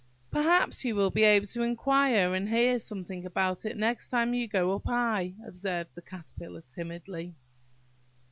"Perhaps you will be able to inquire and hear something about it next time you go up high," observed the Caterpillar timidly.